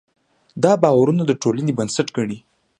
دا باورونه د ټولنې بنسټ ګڼي.